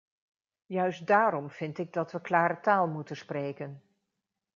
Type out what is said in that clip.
Juist daarom vind ik dat we klare taal moeten spreken.